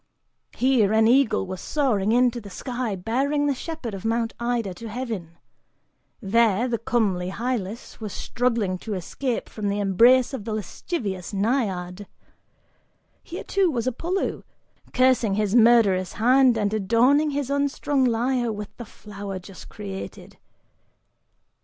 Here, an eagle was soaring into the sky bearing the shepherd of Mount Ida to heaven; there, the comely Hylas was struggling to escape from the embrace of the lascivious Naiad. Here, too, was Apollo, cursing his murderous hand and adorning his unstrung lyre with the flower just created.